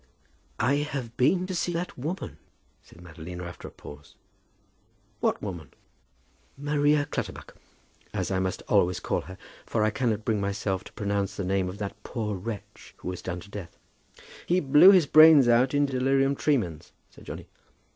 "I have been to see that woman," said Madalina after a pause. "What woman?" "Maria Clutterbuck, as I must always call her; for I cannot bring myself to pronounce the name of that poor wretch who was done to death." "He blew his brains out in delirium tremens," said Johnny.